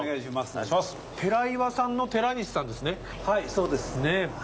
はいそうです。ねぇ？